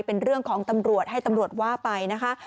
เป็นเรื่องของตำรวจให้ตำรวจว่าไปนะคะ